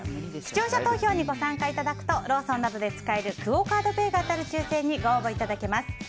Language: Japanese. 視聴者投票にご参加いただくとローソンなどで使えるクオ・カードペイが当たる抽選にご応募いただけます。